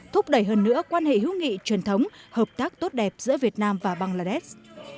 thúc đẩy hơn nữa quan hệ hữu nghị truyền thống hợp tác tốt đẹp giữa việt nam và bangladesh